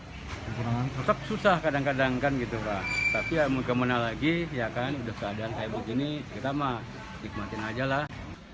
tetap susah kadang kadang kan gitu tapi ya mau kemana lagi ya kan udah keadaan kayak begini kita mah nikmatin aja lah